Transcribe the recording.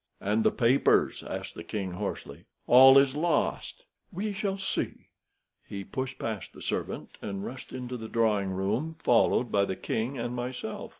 "And the papers?" asked the king hoarsely. "All is lost!" "We shall see." He pushed past the servant, and rushed into the drawing room, followed by the king and myself.